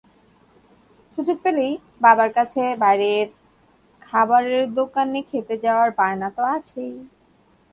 সুযোগ পেলেই বাবার কাছে বাইরের খাবারের দোকানে খেতে যাওয়ার বায়নাতো আছেই।